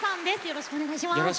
よろしくお願いします。